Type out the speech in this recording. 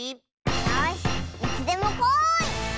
よしいつでもこい！